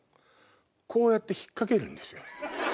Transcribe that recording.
こうやって引っ掛けるんですよ。